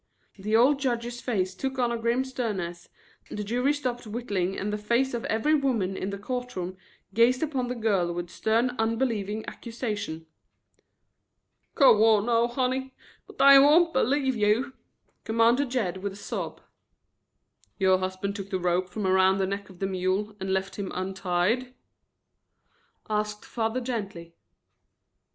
The old judge's face took on a grim sternness, the jury stopped whittling and the face of every woman in the court room gazed upon the girl with stern unbelieving accusation. "Go on, now, honey, but they won't believe you," commanded Jed with a sob. "Your husband took the rope from around the neck of the mule and left him untied?" asked father gently.